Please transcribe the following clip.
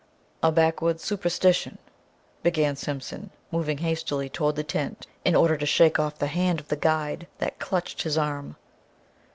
"A backwoods superstition " began Simpson, moving hastily toward the tent in order to shake off the hand of the guide that clutched his arm.